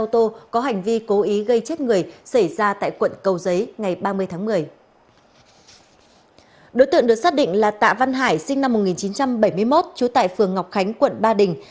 đối tượng được xác định là tạ văn hải sinh năm một nghìn chín trăm bảy mươi một trú tại phường ngọc khánh quận ba đình